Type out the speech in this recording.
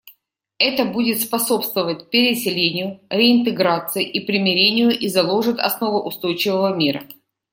Это будет способствовать переселению, реинтеграции и примирению и заложит основы устойчивого мира.